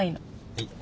はい。